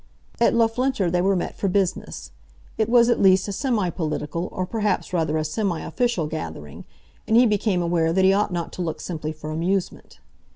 At Loughlinter they were met for business. It was at least a semi political, or perhaps rather a semi official gathering, and he became aware that he ought not to look simply for amusement.